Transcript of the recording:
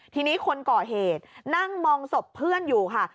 ทีนี้คนก่อเหตุนั่งมองศพเพื่อนอยู่ค่ะ